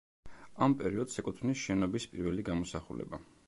ამ პერიოდს ეკუთვნის შენობის პირველი გამოსახულება.